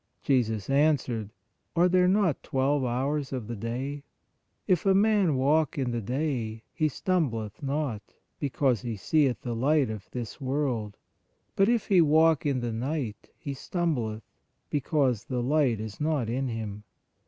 Jesus answered: Are there not twelve hours of the day? If a man walk in the day, he stumbleth not, because he seeth the light of this world; but if he walk in the night, he stumbleth, because the light is not in him.